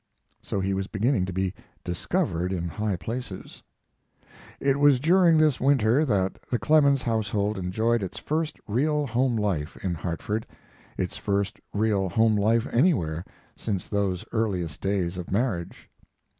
So he was beginning to be "discovered" in high places. It was during this winter that the Clemens household enjoyed its first real home life in Hartford, its first real home life anywhere since those earliest days of marriage.